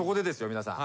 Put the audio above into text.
皆さん。